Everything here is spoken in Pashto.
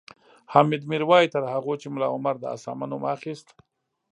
حامد میر وایي تر هغو چې ملا عمر د اسامه نوم اخیست